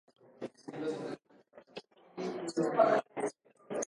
La mediana de escolaridad de la población es de siete años.